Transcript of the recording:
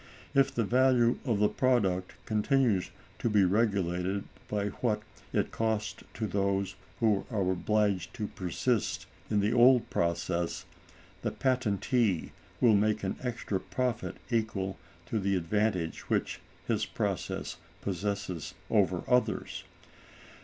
If the value of the product continues to be regulated by what it costs to those who are obliged to persist in the old process, the patentee will make an extra profit equal to the advantage which his process possesses over theirs.